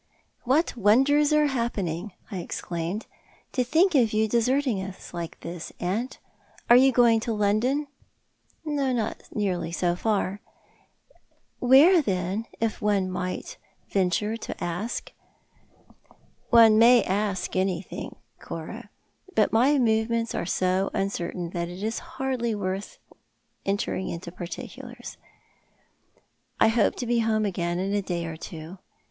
" What wonders are happening," I exclaimed. "■ To think of you deserting us like this, aunt ! Are you going to London ?"" Not nearly so far." " Where then — if one may venture to ask ?" "One may ask anything, Cora, but my movements are so uncertain that it is hardly worth while entering into particulars. I hope to be home again in a day or two.